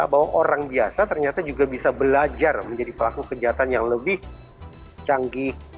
bahwa orang biasa ternyata juga bisa belajar menjadi pelaku kejahatan yang lebih canggih